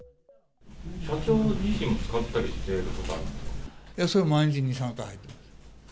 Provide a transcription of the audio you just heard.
社長自身もつかったりしてるいや、それは毎日２、３回入ってます。